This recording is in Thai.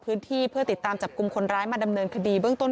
พื้นที่เพื่อติดตามจับกลุ่มคนร้ายมาดำเนินคดีเบื้องต้น